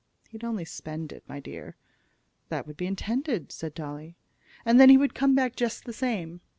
"He'd only spend it, my dear." "That would be intended," said Dolly. "And then he would come back just the same."